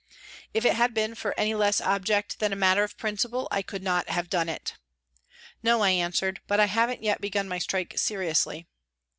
If it had been for any less object than a matter of principle I could not have done it. " No," I answered, " but I haven't yet begun my strike seriously."